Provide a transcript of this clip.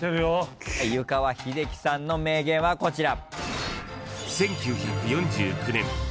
湯川秀樹さんの名言はこちら。